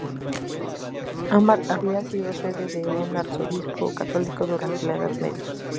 Hamar había sido sede de un arzobispado católico durante la Edad Media.